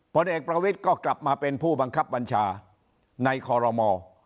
ผลเอกประวิทย์ก็กลับมาเป็นผู้บังคับบัญชาในคอรมอ